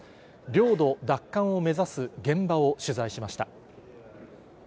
領土奪還を目指す現場を取材しました。